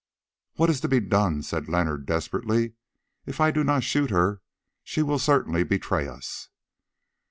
"What is to be done?" said Leonard desperately. "If I do not shoot her, she will certainly betray us."